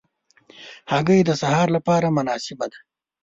هګۍ د سهار له پاره مناسبه ده.